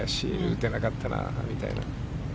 打てなかったなみたいな。